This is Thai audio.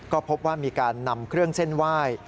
ก็พบว่ามีการนำเครื่องเส้นไหว้